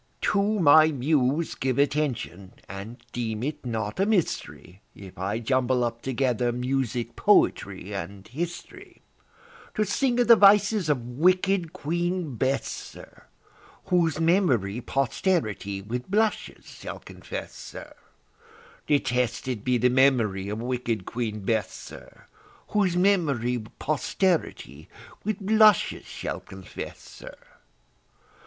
To my Muse give attention, and deem it not a mystery If I jumble up together music, poetry, and history, To sing of the vices of wicked Queen Bess, sir, Whose memory posterity with blushes shall confess, sir, Detested be the memory of wicked Queen Bess, sir, Whose memory posterity with blushes shall confess, sir.